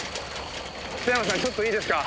ちょっといいですか？